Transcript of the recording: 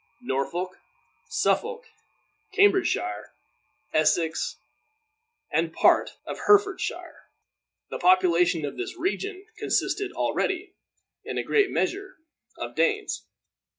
Norfolk, Suffolk, Cambridgeshire, Essex, and part of Herefordshire. The population of all this region consisted already, in a great measure, of Danes.